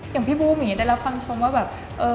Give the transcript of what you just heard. อย่างพี่บูมอย่างนี้ได้รับความชมว่าแบบ